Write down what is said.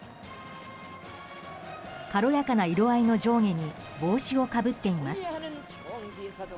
軽やかな色合いの上下に帽子をかぶっています。